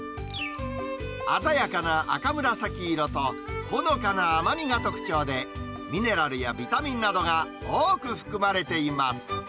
鮮やかな赤紫色と、ほのかな甘みが特徴で、ミネラルやビタミンなどが多く含まれています。